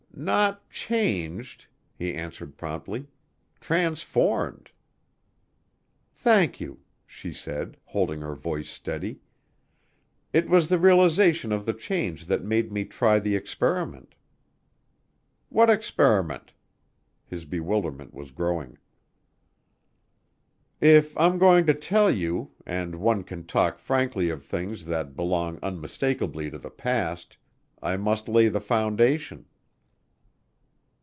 "Not changed " he answered promptly. "Transformed!" "Thank you," she said, holding her voice steady. "It was the realization of the change that made me try the experiment." "What experiment?" His bewilderment was growing. "If I'm going to tell you and one can talk frankly of things that belong unmistakably to the past I must lay the foundation."